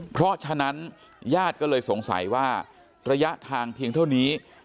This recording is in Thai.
เพราะฉะนั้นญาติก็เลยสงสัยว่าระยะทางเพียงเท่านี้